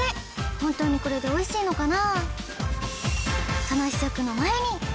本当にこれで美味しいのかな？